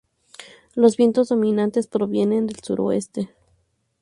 Los vientos dominantes provienen del suroeste.